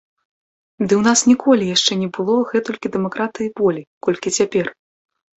Ды ў нас ніколі яшчэ не было гэтулькі дэмакратыі і волі, колькі цяпер!